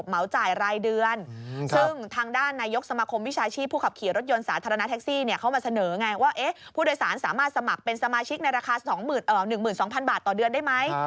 ๑หมื่น๒พันบาทต่อเดือนได้ไหม